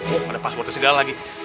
oh ada paswot dan segala lagi